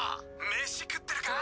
飯食ってるか？